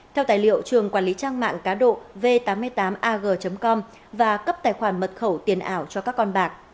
theo tài liệu trường quản lý trang mạng cá độ v tám mươi tám ag com và cấp tài khoản mật khẩu tiền ảo cho các con bạc